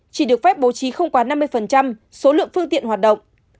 chỉ được phép bố trí không quá năm mươi số lượng phương tiện hoạt động